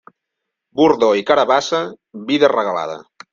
Bordó i carabassa, vida regalada.